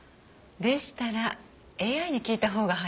でしたらＡＩに聞いたほうが早いかも。